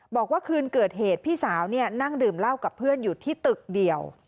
บอกว่าคืนเกิดเหตุพี่สาวนั่งดื่มเหล้ากับเพื่อนอยู่ที่ตึกเดียว